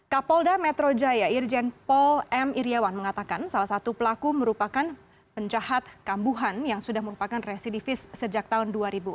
kapolda metro jaya irjen paul m iryawan mengatakan salah satu pelaku merupakan penjahat kambuhan yang sudah merupakan residivis sejak tahun dua ribu empat